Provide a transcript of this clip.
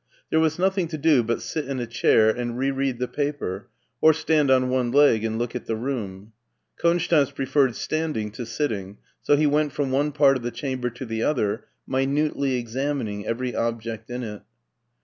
There was nothing to do but sit in a chair and re read the paper or stand on one leg and look at the room. Konstanz preferred standing to sitting, so he went from one part of the chamber to the other, minutely examining every object in it.